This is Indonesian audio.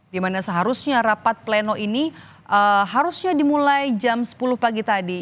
dimana seharusnya rapat pleno ini harusnya dimulai jam sepuluh pagi tadi